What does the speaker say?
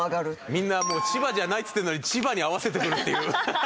みんなもう千葉じゃないっつってるのに千葉に合わせてくるっていう。